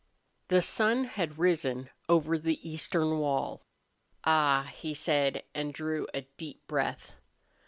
The sun had risen over the eastern wall. "Ah!" he said, and drew a deep breath.